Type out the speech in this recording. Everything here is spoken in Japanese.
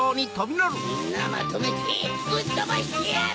みんなまとめてぶっとばしてやる！